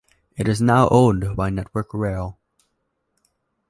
It is now owned by Network Rail.